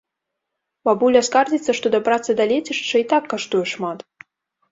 Бабуля скардзіцца, што дабрацца да лецішча і так каштуе шмат.